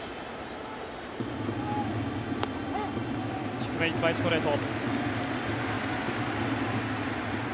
低めいっぱいストレート。